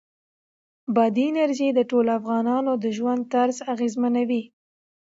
بادي انرژي د ټولو افغانانو د ژوند طرز اغېزمنوي.